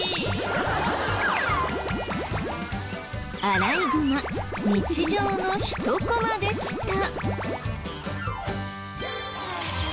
アライグマ日常のひとコマでした。